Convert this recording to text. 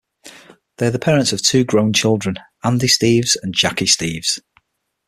They are the parents of two grown children: Andy Steves and Jackie Steves.